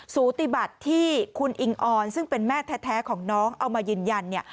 สูติบัติที่คุณอิงออนซึ่งเป็นแม่แท้ของน้องเอามายืนยันเนี่ย